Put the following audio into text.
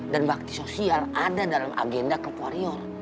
dan bakti sosial ada dalam agenda klub wario